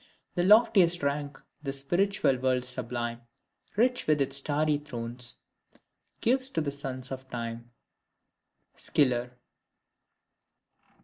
The loftiest rank the spiritual world sublime, Rich with its starry thrones, gives to the sons of Time!" Schiller.